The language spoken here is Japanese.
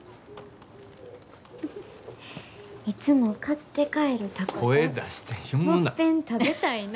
「いつも買って帰るたこせんもっぺん食べたいな」。